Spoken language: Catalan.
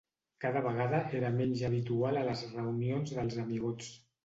Cada vegada era menys habitual a les reunions dels amigots.